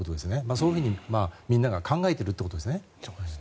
そういうふうに、みんなが考えているということですね。